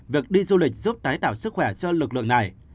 việc đi du lịch giúp tái tạo sức khỏe cho lực lượng này